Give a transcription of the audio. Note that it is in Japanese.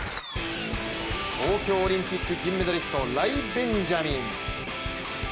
東京オリンピック銀メダリストライ・ベンジャミン。